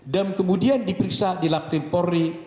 dan kemudian diperiksa di laprim pori